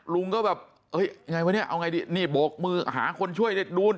ลุงงงเลยอะ